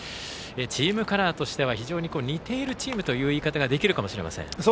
チームカラーとしては非常に似ているチームという言い方ができるかもしれません。